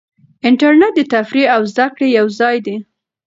انټرنیټ د تفریح او زده کړې یو ځای دی.